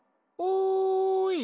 おい！